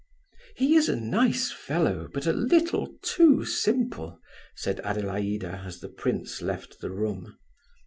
"He is a nice fellow, but a little too simple," said Adelaida, as the prince left the room.